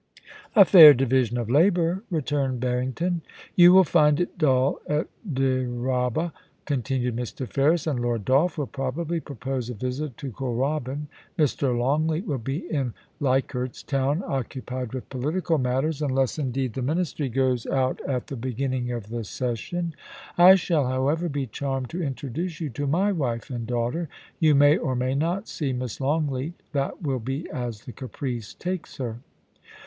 ' A fair division of labour,' returned Barrington. * You wnll find it dull at Dyraaba,' continued Mr. Ferris ;* and Lord Dolph will probably propose a visit to Kooralbyn. Mr. Longleat will be in Leichardt's Town occupied with political matters, unless, indeed, the Ministry goes out at the beginning of the session. I shall, however, be charmed to introduce you to my wife and daughter. You may, or may not, see Miss Longleat; that will be as the caprice takes her.'